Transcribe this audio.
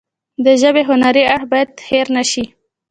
د ژبې هنري اړخ باید هیر نشي.